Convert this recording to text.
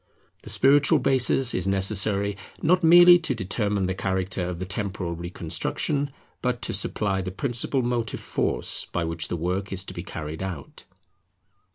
The spiritual basis is necessary not merely to determine the character of the temporal reconstruction, but to supply the principal motive force by which the work is to be carried out.